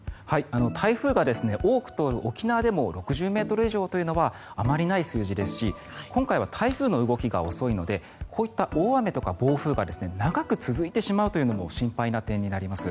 台風が多く通る沖縄でも６０ｍ以上というのはあまりない数字ですし今回は台風の動きが遅いのでこういった大雨とか暴風が長く続いてしまうというのも心配な点になります。